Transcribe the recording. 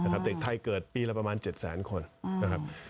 เด็กไทยเกิดปีละประมาณ๗แสนคนนะครับ